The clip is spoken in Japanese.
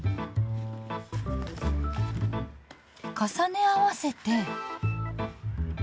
重ね合わせて。